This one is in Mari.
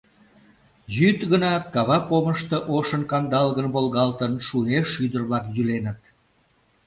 Йӱд гынат, кава помышто, ошын-кандалгын волгалтын, шуэ шӱдыр-влак йӱленыт.